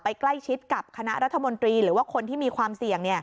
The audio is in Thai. ใกล้ชิดกับคณะรัฐมนตรีหรือว่าคนที่มีความเสี่ยง